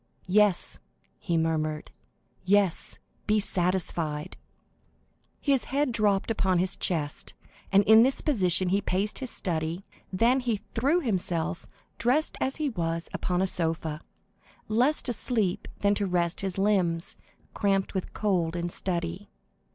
"Yes," he murmured,—"yes, be satisfied." His head dropped upon his chest, and in this position he paced his study; then he threw himself, dressed as he was, upon a sofa, less to sleep than to rest his limbs, cramped with cold and study.